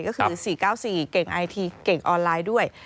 ก็คือ๔๙๔เก่งไอทีเก่งออนไลน์ด้วย